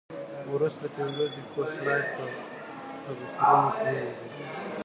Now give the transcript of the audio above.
وروسته له پنځو دقیقو سلایډ په بفرونو پرېمنځئ.